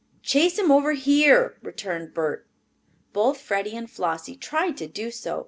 "Chase him over here," returned Bert. Both Freddie and Flossie tried to do so.